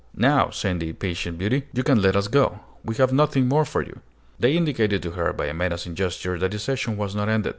"Now," said the impatient beauty, "you can let us go: we have nothing more for you." They indicated to her, by a menacing gesture, that the session was not ended.